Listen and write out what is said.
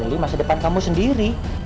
lalu masa depan kamu sendiri